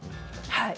はい。